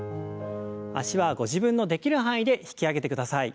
脚はご自分のできる範囲で引き上げてください。